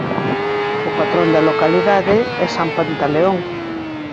O patrón da localidade é San Pantaleón.